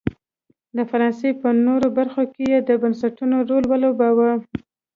د فرانسې په نورو برخو کې یې د بنسټونو رول ولوباوه.